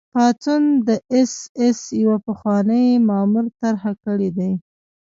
پاڅون د اېس ایس یوه پخواني مامور طرح کړی دی